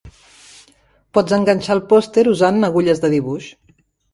Pots enganxar el pòster usant agulles de dibuix